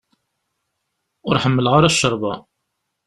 Ur ḥemmleɣ ara ccerba.